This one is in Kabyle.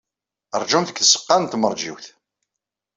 Ṛjumt deg tzeɣɣa n tmeṛjiwt.